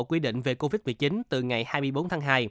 quy định về covid một mươi chín từ ngày hai mươi bốn tháng hai